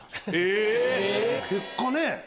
結果ねぇ！